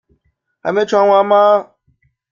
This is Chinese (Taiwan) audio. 還沒傳完嗎？